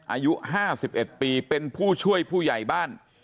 อายุ๕๑ปีเป็นผู้ช่วยผู้ใหญ่บ้าน